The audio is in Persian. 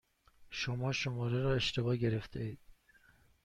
شما شماره را اشتباه گرفتهاید.